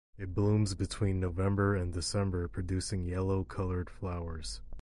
It blooms between November and December producing yellow coloured flowers.